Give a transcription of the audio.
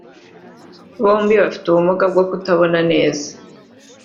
bombi bafite ubumuga bwo kutabona neza